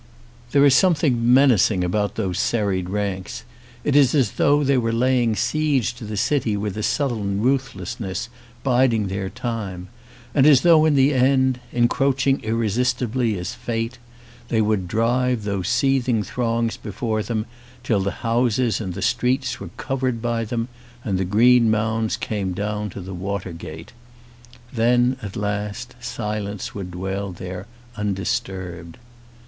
There is something menacing 234 A CITY BTJI1.T ON A SOCK about those serried ranks. It is as though they were laying siege to the city, with a sullen ruth lessness, biding their time ; and as though in the end, encroaching irresistibly as fate, they would drive those seething throngs before them till the houses and the streets were covered by them, and the green mounds came down to the water gate. Then at last silence, silence would dwell there un disturbed.